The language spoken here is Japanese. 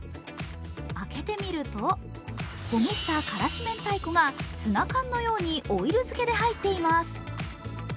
開けてみると、ほぐした辛子めんたいこがツナ缶のようにオイル漬けで入っています。